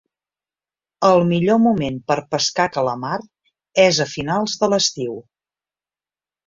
El millor moment per pescar calamar és a finals de l'estiu.